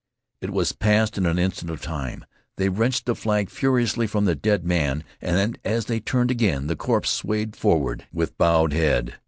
It was past in an instant of time. They wrenched the flag furiously from the dead man, and, as they turned again, the corpse swayed forward with bowed head.